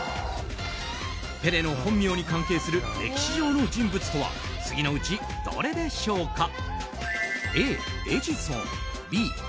ペレの本名に関係する歴史上の人物とは次のうちどれでしょうか？